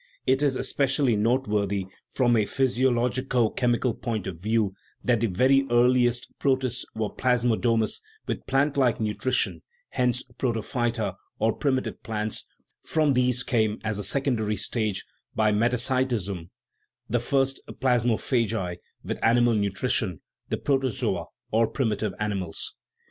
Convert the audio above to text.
It is especially noteworthy, from a physiologico chemical point of view, that the very ear liest protists were plasmodomous, with plant like nu trition hence protophyta, or primitive plants; from these came as a secondary stage, by metasitism, the THE RIDDLE OF THE UNIVERSE first plasmophagi, with animal nutrition the proto zoa, or primitive animals.